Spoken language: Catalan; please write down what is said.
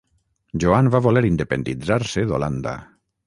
Joan va voler independitzar-se d'Holanda.